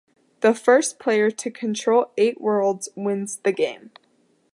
The first player to control eight worlds wins the game.